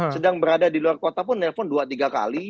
sedang berada di luar kota pun nelfon dua tiga kali